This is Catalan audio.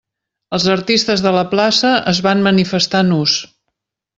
Els artistes de la plaça es van manifestar nus.